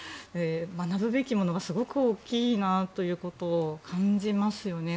学ぶべきものがすごく大きいなということを感じますよね。